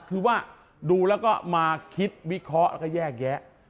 คือว่าดูแล้วก็มาคิดวิเคราะห์แล้วก็แยกแยะ